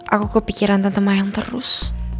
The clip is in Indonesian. aku kepikiran tante mayang terus